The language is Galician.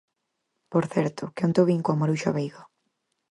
–Por certo, que onte o vin coa Maruxa Veiga.